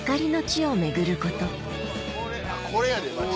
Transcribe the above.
これやで。